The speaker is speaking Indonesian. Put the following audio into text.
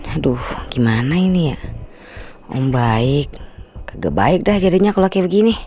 aduh gimana ini ya om baik gak baik dah jadinya kalo kayak begini